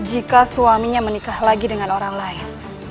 jika suaminya menikah lagi dengan orang lain